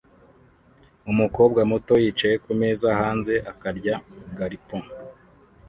Umukobwa muto yicaye kumeza hanze akarya garpon